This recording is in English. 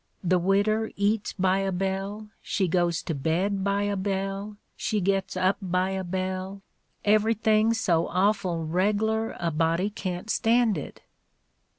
The widder eats by a bell; she goes to bed by a bell; she gits up by a bell — everything's so awful reg'lar a body can't stand it."